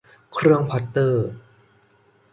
เครื่องพล็อตเตอร์